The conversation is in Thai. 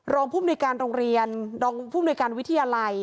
รองผู้บริการโรงเรียนรองผู้บริการวิทยาลัย